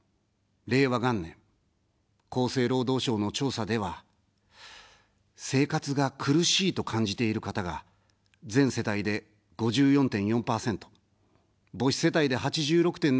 令和元年、厚生労働省の調査では生活が苦しいと感じている方が、全世帯で５４．４％、母子世帯で８６．７％。